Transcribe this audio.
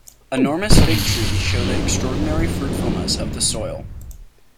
Enormous fig-trees show the extraordinary fruitfulness of the soil.